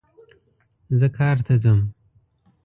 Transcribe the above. زه کار ته ځم